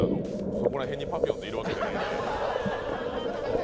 そこら辺にパピヨンズいるわけじゃないんで。